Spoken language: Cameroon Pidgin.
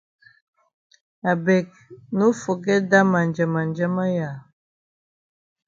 I beg no forget dat ma njamanjama ya.